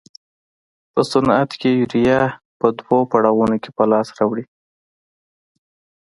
په صنعت کې یوریا په دوو پړاوونو کې په لاس راوړي.